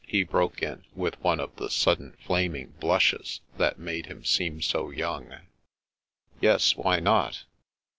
he broke in, with one of the sudden flaming blushes that made him seem so young. "Yes, why not?"